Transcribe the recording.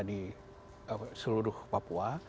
di seluruh papua